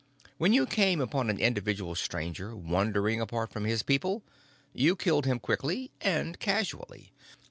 When you came upon an individual Stranger wandering apart from his people, you killed him quickly and casually.